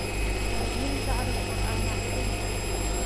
الذين جعلوا القرآن عضين